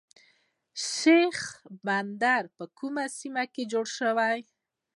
شیرخان بندر په کوم سیند جوړ شوی؟